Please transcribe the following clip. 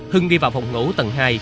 hưng đi vào phòng ngủ tầng hai